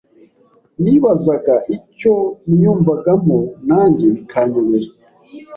Nibazaga icyo niyumvagamo nanjye bikanyobera.